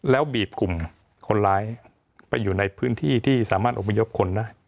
แล้วบีบกลุ่มคนร้ายไปอยู่ในพื้นที่ที่สามารถอบพยพคนได้